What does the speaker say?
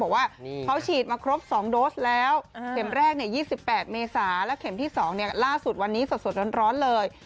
บอกว่าเขาฉีดมาครบ๒โดสแล้วเข็มแรก๒๘เมษาและเข็มที่๒ล่าสุดวันนี้สดร้อนเลย